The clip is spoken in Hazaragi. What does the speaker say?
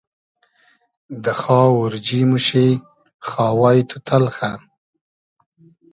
دۂ خاو اۉرجی موشی خاوای تو تئلخۂ